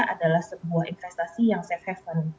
adalah sebuah investasi yang safe haven